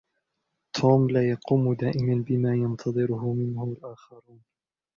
توم لا يقوم دائما بما ينتظره منه الآخرون.